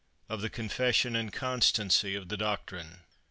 OF THE CONFESSION AND CONSTANCY OF THE DOCTRINE.